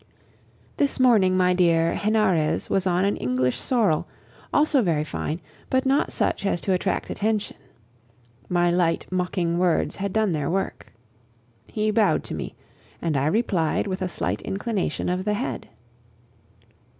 This morning, my dear, Henarez was on an English sorrel, also very fine, but not such as to attract attention. My light, mocking words had done their work. He bowed to me and I replied with a slight inclination of the head.